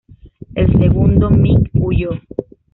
El segundo MiG huyó.